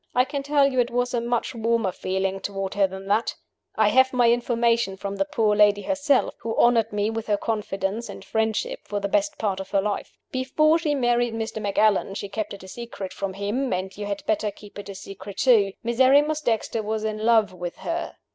I can tell you it was a much warmer feeling toward her than that. I have my information from the poor lady herself who honored me with her confidence and friendship for the best part of her life. Before she married Mr. Macallan she kept it a secret from him, and you had better keep it a secret too Miserrimus Dexter was in love with her.